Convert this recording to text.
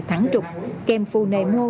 thẳng trục kèm phù nề mô